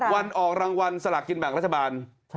วันออกรางวัลสลักกินแบบราชบัน